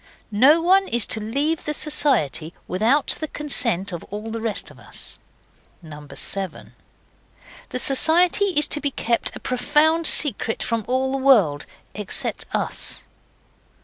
No one is to leave the Society without the consent of all the rest of us. 7. The Society is to be kept a profound secret from all the world except us.